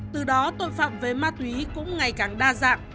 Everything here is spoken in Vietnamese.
từ đó tội phạm về ma túy cũng ngày càng đa dạng